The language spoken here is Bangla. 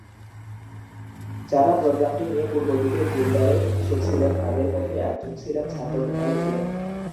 যারা প্রোগ্রামটি নিয়ে পূর্বদিকে বুলডারে এসেছিলেন তাদের মধ্যে একজন ছিলেন ছাত্র ডোনাল্ড কেন।